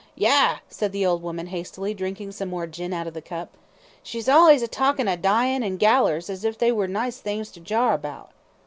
"Yah!" said the old woman, hastily, drinking some more gin out of the cup. "She's allays a talkin' of dyin' an' gallers, as if they were nice things to jawr about."